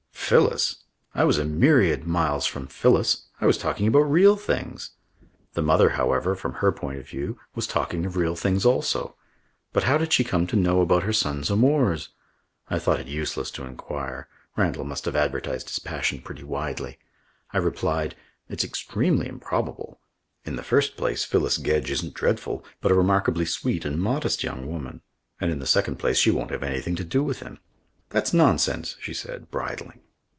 Phyllis! I was a myriad miles from Phyllis. I was talking about real things. The mother, however, from her point of view, was talking of real things also. But how did she come to know about her son's amours? I thought it useless to enquire. Randall must have advertised his passion pretty widely. I replied: "It's extremely improbable. In the first place Phyllis Gedge isn't dreadful, but a remarkably sweet and modest young woman, and in the second place she won't have anything to do with him." "That's nonsense," she said, bridling.